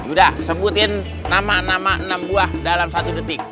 udah sebutin nama nama enam buah dalam satu detik